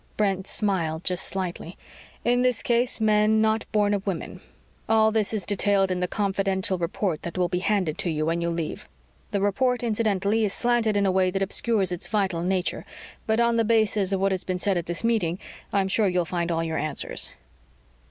Brent smiled just slightly. "In this case, men not born of women. All this is detailed in the confidential report that will be handed to you when you leave. The report, incidentally, is slanted in a way that obscures its vital nature, but on the basis of what has been said at this meeting, I'm sure you'll find all your answers."